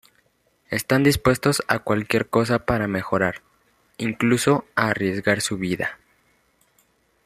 Están dispuestos a cualquier cosa para mejorar, incluso a arriesgar su vida.